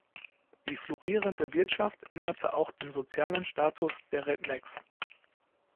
Die florierende Wirtschaft änderte auch den sozialen Status der Rednecks.